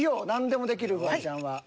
何でもできるフワちゃんは。